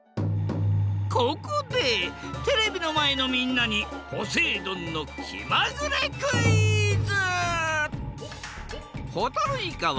ここでテレビのまえのみんなにポセイ丼のきまぐれクイズ！